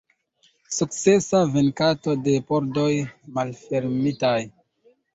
Sukcesa venkanto de pordoj malfermitaj.